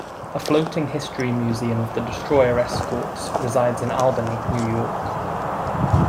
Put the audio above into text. A floating history museum of the destroyer escorts resides in Albany, New York.